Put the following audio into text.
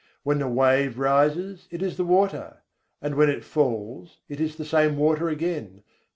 When the wave rises, it is the water; and when it falls, it is the same water again.